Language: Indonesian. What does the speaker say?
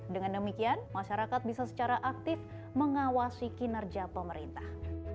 dengan demikian masyarakat bisa secara aktif mengawasi kinerja pemerintah